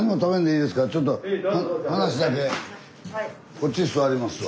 こっちへ座りますわ。